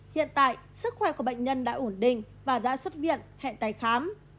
hiện tại sức khỏe của bệnh nhân đã ổn định và đã xuất viện hẹn tái khám